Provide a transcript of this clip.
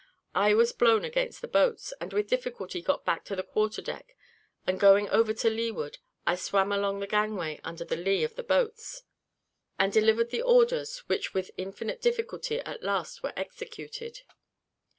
I was blown against the boats, and with difficulty got back to the quarter deck; and going over to leeward, I swam along the gangway under the lee of the boats, and delivered the orders, which with infinite difficulty at last were executed.